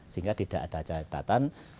sehingga tidak ada catatan